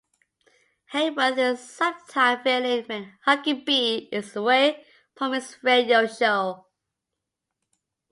Hayworth is a sometime fill-in when Huckabee is away from his radio show.